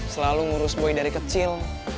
selalu ngurus boy dari kecil